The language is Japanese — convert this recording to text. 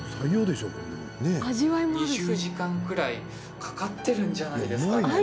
２０時間くらいかかってるんじゃないですかね。